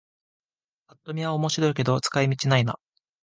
ぱっと見は面白いけど使い道ないな